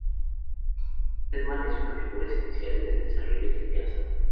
Redman es una figura esencial en el desarrollo del jazz.